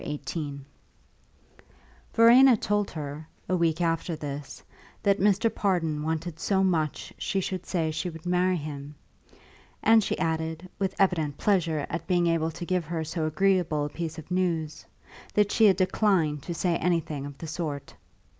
XVIII Verena told her, a week after this, that Mr. Pardon wanted so much she should say she would marry him; and she added, with evident pleasure at being able to give her so agreeable a piece of news, that she had declined to say anything of the sort.